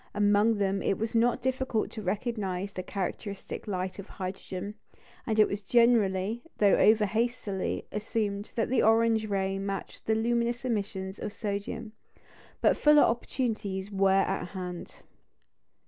Among them it was not difficult to recognise the characteristic light of hydrogen; and it was generally, though over hastily, assumed that the orange ray matched the luminous emissions of sodium. But fuller opportunities were at hand.